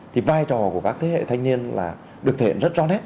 thì vai trò của các thế hệ thanh niên là được thể hiện rất rõ nét